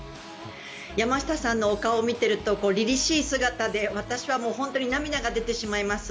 山下さんのお顔を見ていると凛々しい姿で私は本当に涙が出てしまいます。